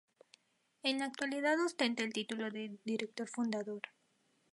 En la actualidad ostenta el título de Director Fundador.